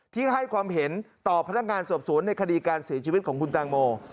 ที่ให้ความเห็นต่อพนักงานสอบสวนในคดีการเสียชีวิตของคุณตังโม